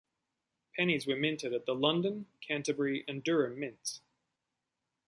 Pennies were minted at the London, Canterbury, and Durham mints.